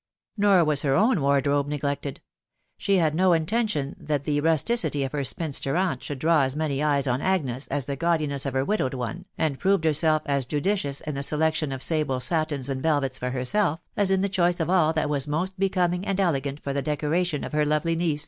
Nor was her own wardrobe neglected ; she had no intention that the rusticity of her spinster aunt should draw as many eyes on Agnes as the gaudiness of her widowed one, and proved herself as judicious in the selectipn of sable satins and velvets for herself, as in the cuo\<* ot ^fo^^&TWMfcoe eoming and elegant for the decoxaltoa oiW Vw&j uta^a* THE WIDOW BARNABY.